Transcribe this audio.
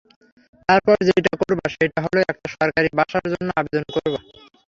তারপর যেইটা করবা সেইটা হলো, একটা সরকারি বাসার জন্য আবেদন করবা।